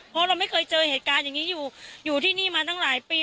เพราะเราไม่เคยเจอเหตุการณ์อย่างนี้อยู่อยู่ที่นี่มาตั้งหลายปี